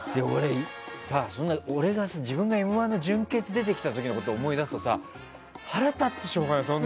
俺が自分が「Ｍ‐１」の準決に出てきた時のことを思い出すと腹が立ってしょうがない。